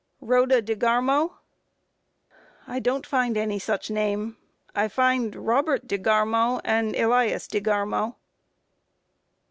Q. Rhoda DeGarmo? A. I don't find any such name; I find Robert DeGarmo and Elias DeGarmo.